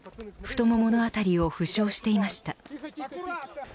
太もものあたりを負傷していました。